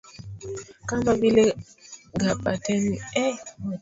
kama vile gabapentini pregabalini au valproati kwa ajili ya